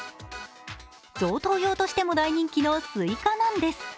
贈答用としても大人気のすいかなんです。